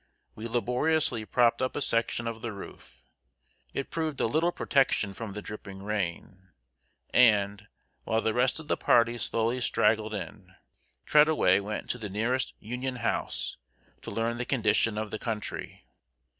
We laboriously propped up a section of the roof. It proved a little protection from the dripping rain, and, while the rest of the party slowly straggled in, Treadaway went to the nearest Union house, to learn the condition of the country.